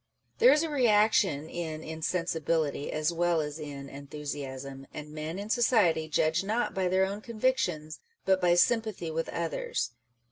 There is a re action in insensibility as well as in enthusiasm ; and men 376 On the Difference between in society judge not by their own convictions, but by sym pathy with others.